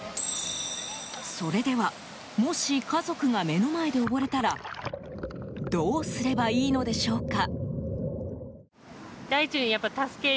それでは、もし家族が目の前で溺れたらどうすればいいのでしょうか。